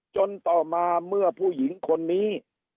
จนต่อมาเมื่อผู้หญิงคนนี้